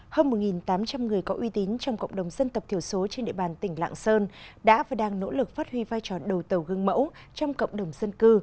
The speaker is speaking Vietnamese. hơn một tám trăm linh người có uy tín trong cộng đồng dân tộc thiểu số trên địa bàn tỉnh lạng sơn đã và đang nỗ lực phát huy vai trò đầu tàu gương mẫu trong cộng đồng dân cư